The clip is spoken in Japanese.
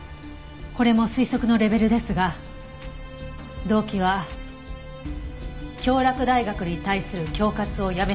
これも推測のレベルですが動機は京洛大学に対する恐喝をやめさせるため。